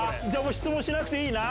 質問しなくていいな？